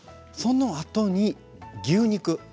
そのあとに牛肉。